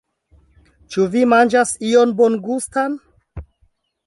Ĉu vi manĝas ion bongustan?